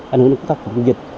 ảnh hưởng đến công tác phòng dịch